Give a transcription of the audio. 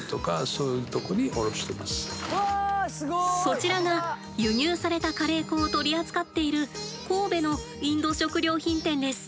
こちらが輸入されたカレー粉を取り扱っている神戸のインド食料品店です。